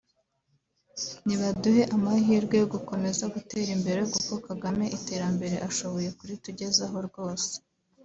Nibaduhe amahirwe yo gukomeza gutera imbere kuko Kagame iterambere ashoboye kuritugezaho rwose